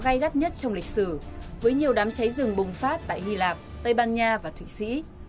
gai gắt nhất trong lịch sử với nhiều đám cháy rừng bùng phát tại hy lạp tây ban nha và thụy sĩ